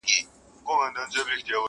دا مورچل، مورچل پکتيا او دا شېر برېتي!!